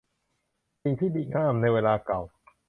สิ่งที่ดีงามในเวลาเก่า